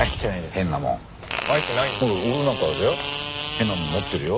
変なもん持ってるよ。